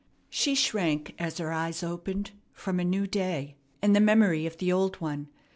She shrank, as her eyes opened, from a new day, and the memory of the old one.